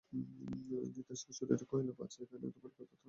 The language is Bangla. দিদিশাশুড়ি কহিল, বাছা, এখানে তোমার থাকা হইবে না, তাহা বলিতেছি।